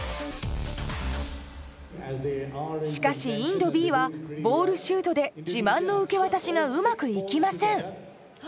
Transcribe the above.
しかしインドＢはボールシュートで自慢の受け渡しがうまくいきません。